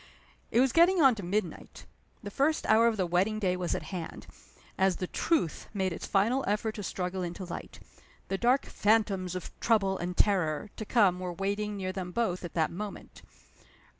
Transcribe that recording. It was getting on to midnight. The first hour of the wedding day was at hand, as the Truth made its final effort to struggle into light. The dark Phantoms of Trouble and Terror to come were waiting near them both at that moment.